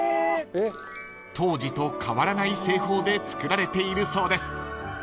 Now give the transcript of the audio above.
［当時と変わらない製法で作られているそうです］